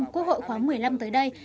quốc hội khóa một mươi năm tới đây